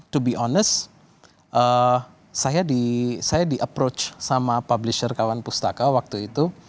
to be honest saya di approach sama publisher kawan pustaka waktu itu